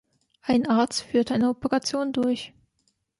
Ein Arzt führt eine Operation durch.